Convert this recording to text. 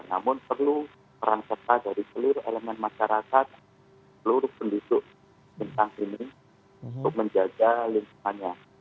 namun perlu peran serta dari seluruh elemen masyarakat seluruh penduduk tentang ini untuk menjaga lingkungannya